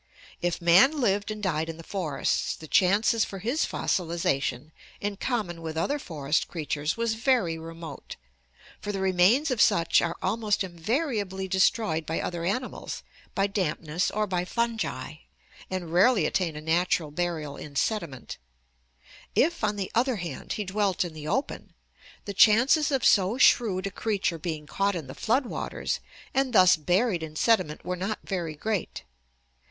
If man lived and died in the forests the chances for his fossilization, in common with other forest creatures, was very remote, for the remains of such are almost invariably destroyed by other animals, by dampness, or by fungi, and rarely attain a natural burial in sediment. If, on 674 ORGANIC EVOLUTION the other hand, he dwelt in the open, the cnances of so shrewd a creature being caught in the flood waters and thus buried in sedi ment were not very great.